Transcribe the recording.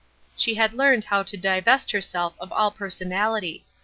She had learned how to divest herself of all personality.